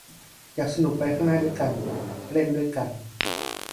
อยากสนุกไปข้างหน้าด้วยกัน เล่นด้วยกัน